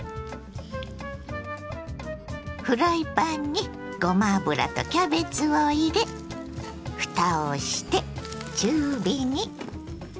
フライパンにごま油とキャベツを入れふたをして中火に。